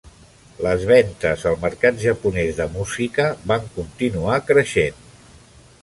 Les ventes al mercat japonès de música van continuar creixent.